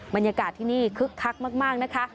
บรรยากาศที่นี่คึกคักมากนะคะ